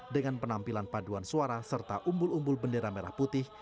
dengan penampilan paduan suara serta umbul umbul bendera merah putih